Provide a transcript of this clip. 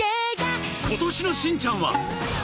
今年の『しんちゃん』は